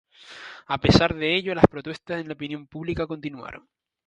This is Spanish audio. A pesar de ello, las protestas en la opinión pública continuaron.